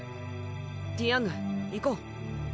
ディアンヌ行こう。